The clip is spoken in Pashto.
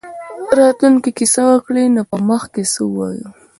راتلونکې کې څه وکړي نو په مخ کې څه ووایو.